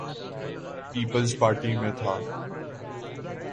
Peoples Party میں تھا۔